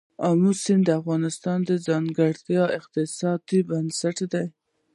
آمو سیند د افغانستان د ځایي اقتصادونو بنسټ دی.